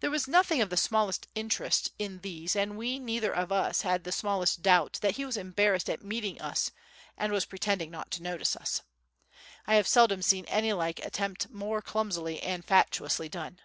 There was nothing of the smallest interest in these and we neither of us had the smallest doubt that he was embarrassed at meeting us and was pretending not to notice us. I have seldom seen any like attempt more clumsily and fatuously done.